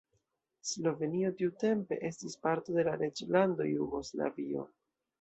Slovenio tiutempe estis parto de la Reĝlando Jugoslavio.